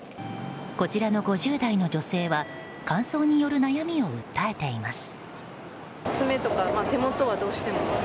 こちらの５０代の女性は乾燥による悩みを訴えています。